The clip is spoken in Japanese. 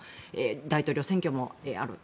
大統領選挙もある。